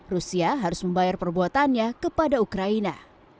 rusia harus membayar perbuatannya kepada ukraina